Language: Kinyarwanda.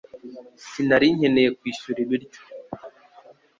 Sinari nkeneye kwishyura ibiryo